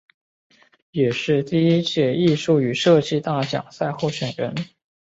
也是第一届艺术与设计大奖赛候选人。